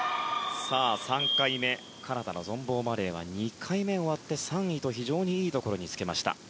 ３回目、カナダのゾンボーマレー２回目終わって３位と非常にいいところにつけました。